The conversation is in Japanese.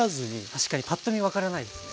確かにパッと見分からないですね。